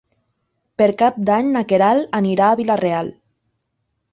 Per Cap d'Any na Queralt anirà a Vila-real.